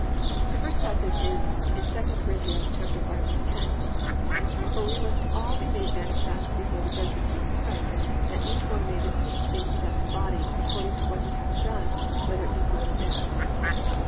1. The first passage in 2 Cor. 5:10: +"For we must all be made manifest before the judgment seat of Christ; that each one may receive the things done in the body, according to what he hath done, whether it be good or bad."